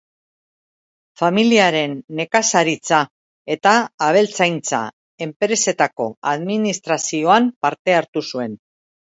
Familiaren nekazaritza- eta abeltzaintza-enpresetako administrazioan parte hartu zuen.